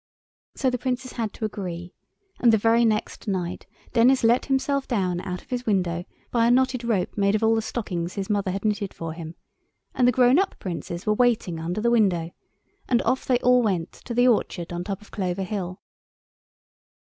So the Princes had to agree, and the very next night Denis let himself down out of his window by a knotted rope made of all the stockings his mother had knitted for him, and the grown up Princes were waiting under the window, and off they all went to the orchard on the top of Clover Hill.